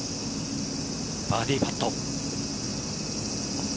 バーディーパット。